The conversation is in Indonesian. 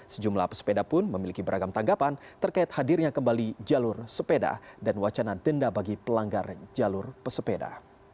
sejumlah pesepeda pun memiliki beragam tanggapan terkait hadirnya kembali jalur sepeda dan wacana denda bagi pelanggar jalur pesepeda